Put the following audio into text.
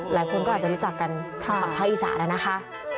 หลายคนก็อาจจะรู้จักกันทางฝั่งภาคอีสานแล้วนะคะ